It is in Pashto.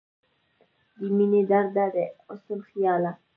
د مينې درده، د حسن خياله